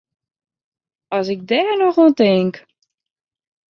As ik dêr noch oan tink!